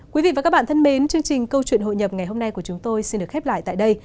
quý vị và các bạn thân mến chương trình câu chuyện hội nhập ngày hôm nay của chúng tôi xin được khép lại tại đây